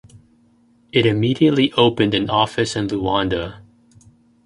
It immediately opened an office in Luanda.